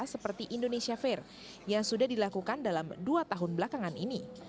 seperti indonesia fair yang sudah dilakukan dalam dua tahun belakangan ini